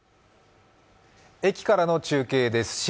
駅からの中継です。